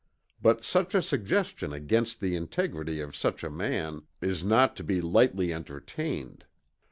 But such a suggestion against the integrity of such a man is not to be lightly entertained.